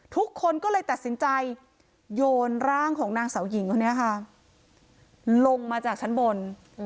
ทุกคนก็เลยตัดสินใจโยนร่างของนางสาวหญิงคนนี้ค่ะลงมาจากชั้นบน